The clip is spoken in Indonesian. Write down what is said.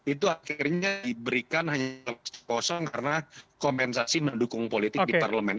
itu akhirnya diberikan hanya seposong karena kompensasi mendukung politik di parlemen